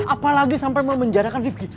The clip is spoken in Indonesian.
apalagi sampai memenjarakan rifki